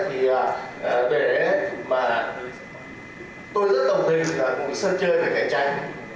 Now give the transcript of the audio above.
thế nên tôi rất đồng hình với sân chơi về cạnh tranh